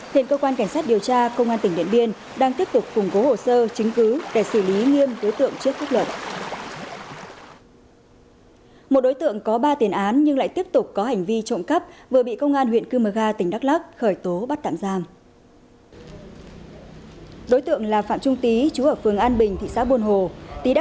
hiện cơ quan cảnh sát điều tra công an tỉnh điện biên đang tiếp tục phủng cố hồ sơ chính cứ để xử lý nghiêm tối tượng trước thức luật